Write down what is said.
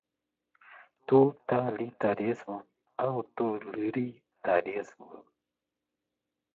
Totalitarismo, autoritarismo